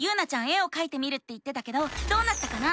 絵をかいてみるって言ってたけどどうなったかな？